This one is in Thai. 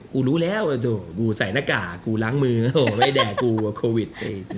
กูรู้แล้วกูใส่หน้ากากกูล้างมือไว้แดดกูโควิด